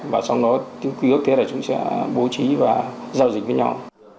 và sau đó chúng ta sẽ bố trí và giao dịch với nhau